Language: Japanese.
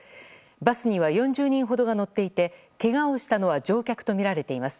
バスには４０人ほどが乗っていてけがをしたのは乗客とみられています。